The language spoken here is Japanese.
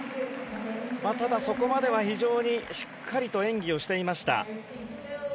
ただ、そこまでは非常にしっかりと演技をしていました。